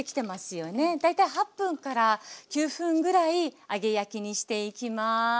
大体８９分ぐらい揚げ焼きにしていきます。